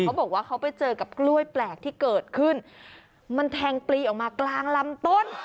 เขาบอกว่าเขาไปเจอกับกล้วยแปลกที่เกิดขึ้นมันแทงปลีออกมากลางลำต้น